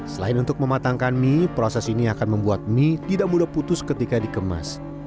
selain untuk mematangkan mie proses ini akan membuat mie tidak mudah putus ketika dikemas